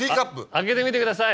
開けてみてください。